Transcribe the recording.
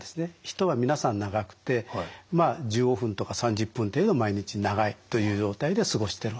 人は皆さん長くてまあ１５分とか３０分程度毎日長いという状態で過ごしてるわけですね。